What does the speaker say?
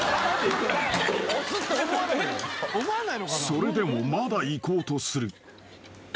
［それでもまだいこうとする］